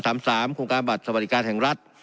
โครงการบัตรสวัสดิการแห่งรัฐ